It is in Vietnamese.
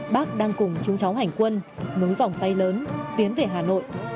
bác đang cùng chúng cháu hành quân núi vòng tay lớn tiến về hà nội